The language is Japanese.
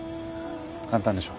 簡単でしょ？